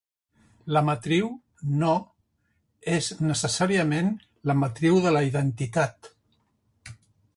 La matriu "no" és necessàriament la matriu de la identitat.